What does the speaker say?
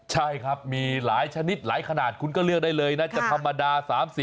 ใช่ครับมีหลายชนิดหลายขนาดคุณก็เลือกได้เลยนะจะธรรมดา๓๐